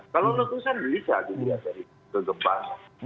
kalau letusan bisa dilihat dari kegempaan